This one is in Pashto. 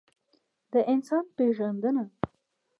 د انسان پېژندنه.